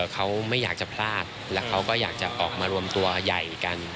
เขาไม่อยากจะพลาดแล้วเขาก็อยากจะออกมารวมตัวใหญ่กัน